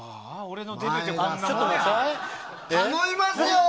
頼みますよ！